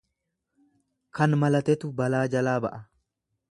Kan malatetu balaa jalaa ba'a.